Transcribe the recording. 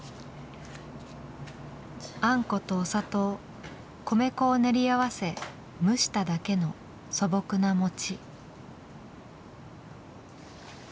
あんことお砂糖米粉を練り合わせ蒸しただけの素朴な餅。